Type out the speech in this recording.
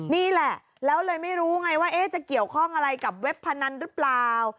นี่แหละแล้วเลยไม่รู้ไงว่าจะเกี่ยวข้องอะไรกับเว็บพนันหรือเปล่า